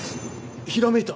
ひらめいた！